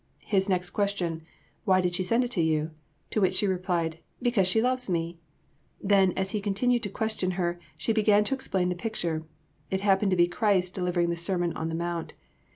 His next question, "Why did she send it to you?" To which she replied, "Because she loves me!" Then, as he continued to question her, she began to explain the picture. It happened to be Christ delivering the Sermon on the Mount.